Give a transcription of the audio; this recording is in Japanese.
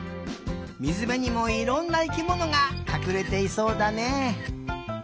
みずべにもいろんな生きものがかくれていそうだね。